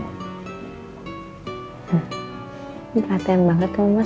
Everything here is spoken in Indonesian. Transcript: gak ada yang panggil kamu mas